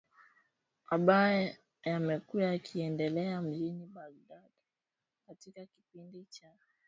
ambayo yamekuwa yakiendelea mjini Baghdad katika kipindi cha